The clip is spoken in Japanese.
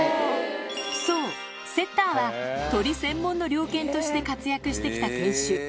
そう、セッターは鳥専門の猟犬として活躍してきた犬種。